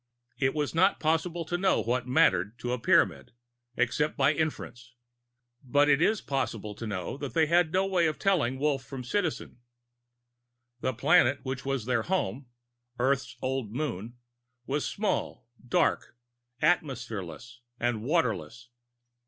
It is not possible to know what "mattered" to a Pyramid except by inference. But it is possible to know that they had no way of telling Wolf from Citizen. The planet which was their home Earth's old Moon was small, dark, atmosphereless and waterless.